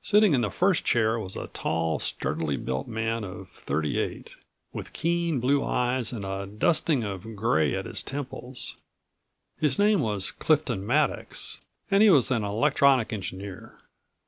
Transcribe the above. Sitting in the first chair was a tall, sturdily built man of thirty eight, with keen blue eyes and a dusting of gray at his temples. His name was Clifton Maddox and he was an electronic engineer.